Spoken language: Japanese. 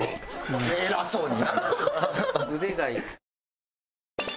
偉そうに。